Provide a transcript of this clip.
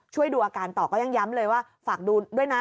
ช่วยดูอาการต่อก็ยังย้ำเลยว่าฝากดูด้วยนะ